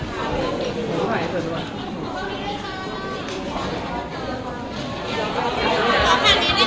ตอนนี้ค่ะตรงนี้ค่ะตรงนี้ค่ะตรงนี้ค่ะหนึ่งสองสามห้าตรงนี้